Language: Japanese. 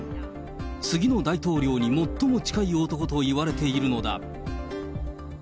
次の大統領に最も近い男といわれているのだ。